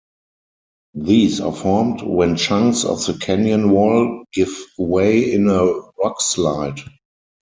These are formed when chunks of the canyon wall give way in a rockslide.